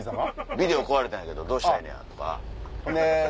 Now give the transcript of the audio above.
「ビデオ壊れたんやけどどうしたらええねや？」とか。